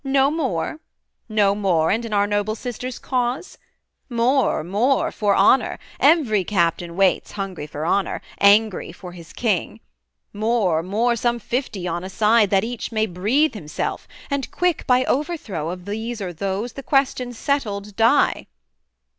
no more? No more, and in our noble sister's cause? More, more, for honour: every captain waits Hungry for honour, angry for his king. More, more some fifty on a side, that each May breathe himself, and quick! by overthrow Of these or those, the question settled die.'